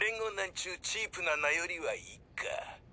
ちうチープな名よりはいいか。